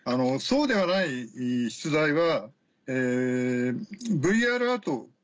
そうではない出題はＶＲアート。